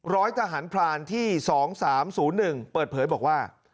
ร้อยทหารพรานที่๒๓๐๑เปิดเผยบอกว่า